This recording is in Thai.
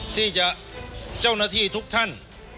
ที่จะเจ้าหน้าที่ทุกท่าน